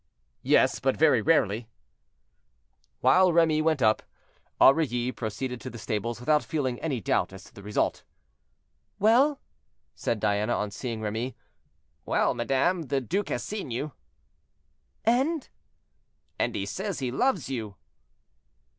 "Yes, but very rarely." While Remy went up, Aurilly proceeded to the stables without feeling any doubt as to the result. "Well!" said Diana, on seeing Remy. "Well, madame, the duke has seen you." "And—" "And he says he loves you."